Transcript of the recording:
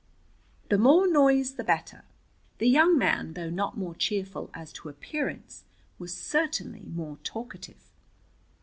"The more noise, the better." The young man, though not more cheerful as to appearance, was certainly more talkative.